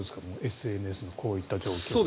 ＳＮＳでこういった状況。